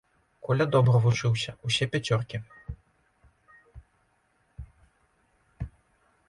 Коля добра вучыўся, усе пяцёркі.